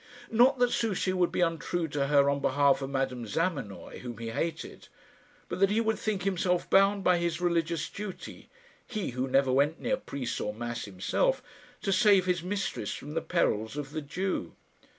Not that Souchey would be untrue to her on behalf of Madame Zamenoy, whom he hated; but that he would think himself bound by his religious duty he who never went near priest or mass himself to save his mistress from the perils of the Jew.